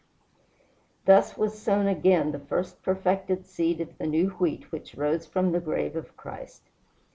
Thus was sown again the first perfected seed of the new wheat which rose from the grave of Christ!